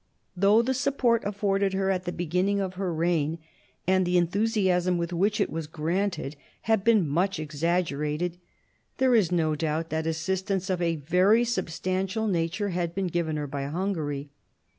Though the support afforded her at the beginning of her reign, and the enthusiasm with which it was granted, have been much exaggerated, there is no doubt that assistance of a very substantial nature had been given her by Hungary.